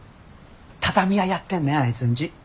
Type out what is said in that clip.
畳屋やってんねんあいつんち。